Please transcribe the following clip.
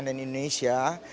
pendengar setia cnn indonesia